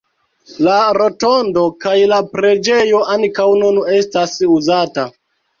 La rotondo kaj la preĝejo ankaŭ nun estas uzata.